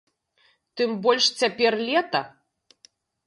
Тым больш, цяпер лета!